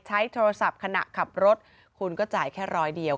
ใช้โทรศัพท์ขณะขับรถคุณก็จ่ายแค่ร้อยเดียว